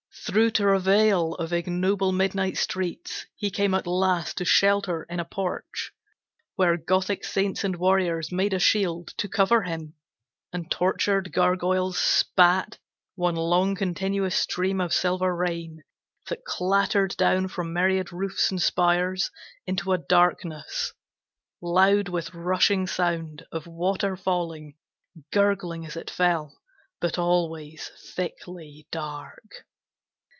Through travail of ignoble midnight streets He came at last to shelter in a porch Where gothic saints and warriors made a shield To cover him, and tortured gargoyles spat One long continuous stream of silver rain That clattered down from myriad roofs and spires Into a darkness, loud with rushing sound Of water falling, gurgling as it fell, But always thickly dark.